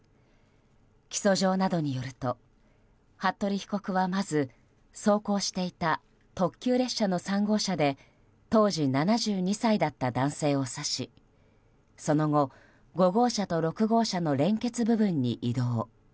起訴状などによると服部被告は、まず走行していた特急列車の３号車で当時７２歳だった男性を刺しその後、５号車と６号車の連結部分に移動。